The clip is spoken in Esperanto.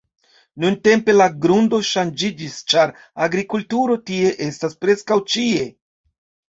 Nuntempe, la grundo ŝanĝiĝis ĉar agrikulturo tie estas preskaŭ ĉie.